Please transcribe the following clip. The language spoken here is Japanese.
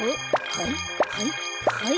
はいはいはい。